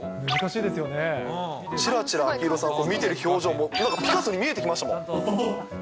ちらちら秋広さんを見てる表情も、なんかピカソに見えてきましたもん。